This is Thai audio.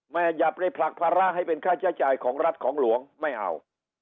อย่าไปผลักภาระให้เป็นค่าใช้จ่ายของรัฐของหลวงไม่เอา